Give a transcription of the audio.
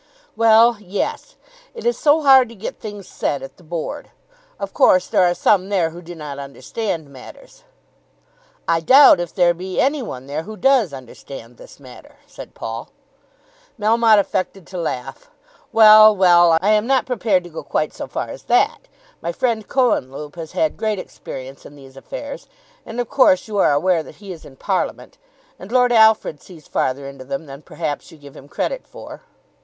"Well, yes. It is so hard to get things said at the Board. Of course there are some there who do not understand matters." "I doubt if there be any one there who does understand this matter," said Paul. Melmotte affected to laugh. "Well, well; I am not prepared to go quite so far as that. My friend Cohenlupe has had great experience in these affairs, and of course you are aware that he is in Parliament. And Lord Alfred sees farther into them than perhaps you give him credit for."